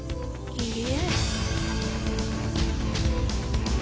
いいえ。